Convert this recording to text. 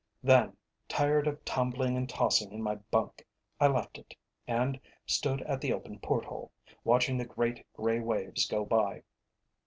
Then, tired of tumbling and tossing in my bunk, I left it, and stood at the open port hole, watching the great, grey waves go by.